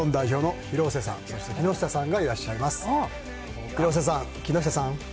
廣瀬さん、木下さん。